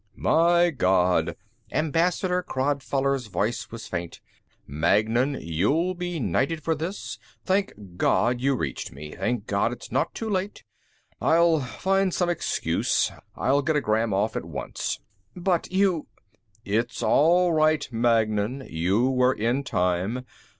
" My God," Ambassador Crodfoller's voice was faint. "Magnan, you'll be knighted for this. Thank God you reached me. Thank God it's not too late. I'll find some excuse. I'll get a gram off at once." "But you " "It's all right, Magnan. You were in time.